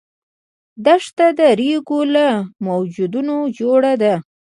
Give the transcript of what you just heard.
دښته د ریګو له موجونو جوړه ده.